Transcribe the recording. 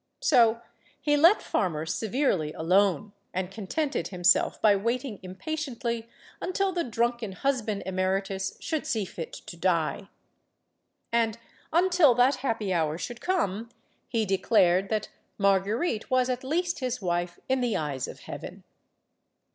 So he let Farmer severely alone, and contented himself by waiting impatiently until the drunken husband emeritus should see fit to die. And, until that happy hour should come, he declared that Marguerite was at least his wife in the eyes of Heaven.